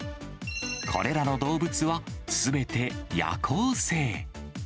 これらの動物はすべて夜行性。